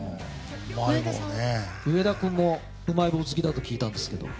上田君もうまい棒好きだと聞いたんですけど。